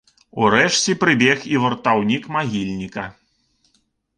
Урэшце прыбег і вартаўнік магільніка.